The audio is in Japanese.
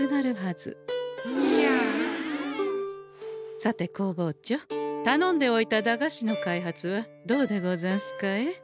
さて工房長たのんでおいた駄菓子の開発はどうでござんすかえ？